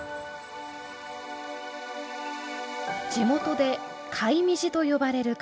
地元でカイミジと呼ばれる塊。